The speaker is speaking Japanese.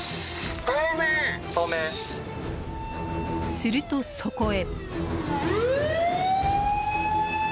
すると、そこへ。